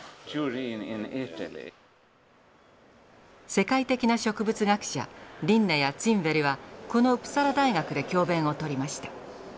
世界的な植物学者リンネやツィンベルはこのウプサラ大学で教鞭をとりました。